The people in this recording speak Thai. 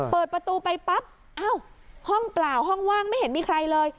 เปิดประตูไปปั๊บอ้าวห้องเปล่าห้องว่างไม่เห็นมีใครเลย